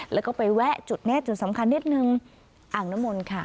แล้วก็ไปแวะจุดนี้จุดสำคัญนิดนึงอ่างน้ำมนต์ค่ะ